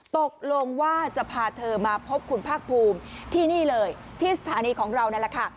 ตกลงว่าจะพาเธอมาพบคุณภาคภูมิที่นี่เลยที่สถานีของเรานั่นแหละค่ะ